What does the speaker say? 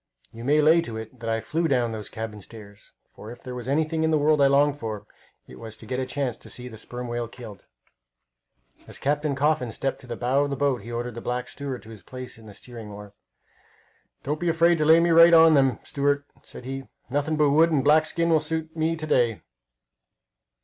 You may lay to it that I flew down those cabin stairs, for if there was anything in the world I longed for, it was to get a chance to see a sperm whale killed. As Captain Coffin stepped to the bow of the boat he ordered the black steward to his place at the steering oar. "Don't be afraid to lay me right on to them, steward," said he. "Nothing but wood and black skin will suit me to day!"